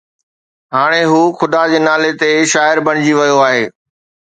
هاڻي هو خدا جي نالي تي شاعر بڻجي ويو آهي